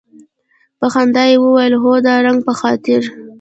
په خندا یې وویل هو د رنګ په خاطر.